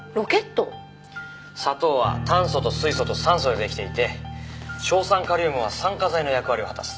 砂糖は炭素と水素と酸素で出来ていて硝酸カリウムは酸化剤の役割を果たす。